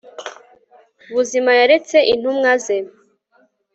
buzima yeretse intumwa ze